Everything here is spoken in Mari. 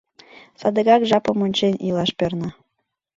Садыгак, жапым ончен, илаш перна.